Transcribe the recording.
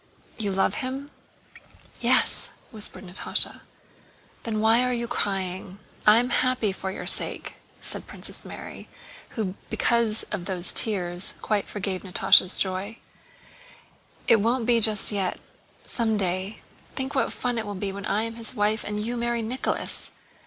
"You love him?" "Yes," whispered Natásha. "Then why are you crying? I am happy for your sake," said Princess Mary, who because of those tears quite forgave Natásha's joy. "It won't be just yet—someday. Think what fun it will be when I am his wife and you marry Nicholas!"